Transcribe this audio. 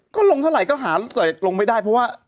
ก็ลงเท่าไหร่ก็หาใส่ลงไม่ได้เพราะว่า